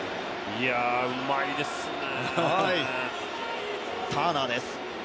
うまいですね。